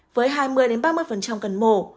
với hai mươi ba mươi cần mổ